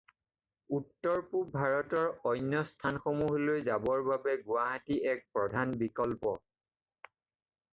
উত্তৰ পূব ভাৰতৰ অন্য স্থানসমূহলৈ যাবৰ বাবে গুৱাহাটী এক প্ৰধান বিকল্প।